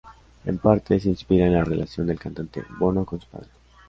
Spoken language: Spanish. En parte, se inspira en la relación del cantante Bono con su padre.